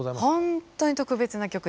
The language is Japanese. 本当に特別な曲です。